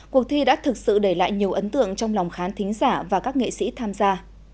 cuộc thi đã thực sự để lại nhiều ấn tượng trong lòng khán thính giả và các nghệ sĩ tham gia